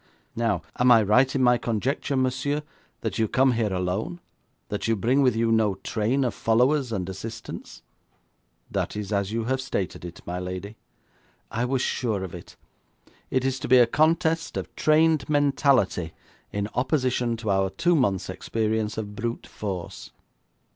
Now, am I right in my conjecture, monsieur, that you come here alone; that you bring with you no train of followers and assistants?' 'That is as you have stated it, my lady.' 'I was sure of it. It is to be a contest of trained mentality in opposition to our two months' experience of brute force.'